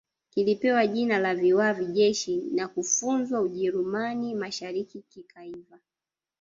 Kilipewa jina la Viwavi Jeshi na kufunzwa Ujerumani Mashariki kikaiva